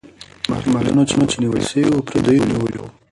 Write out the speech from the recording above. مرچلونه چې نیول سوي وو، پردیو نیولي وو.